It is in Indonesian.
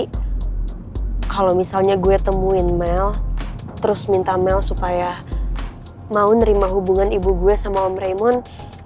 kalau misalnya gue temuin mel terus minta mel supaya mau nerima hubungan ibu gue sama om raymoon